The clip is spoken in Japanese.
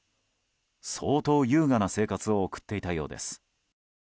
相当優雅な生活を送っていたようです。